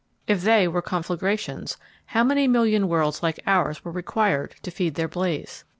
If they were conflagrations, how many million worlds like ours were required to feed their blaze?